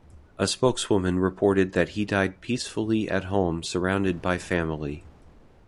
A spokeswoman reported that he died peacefully at home surrounded by family.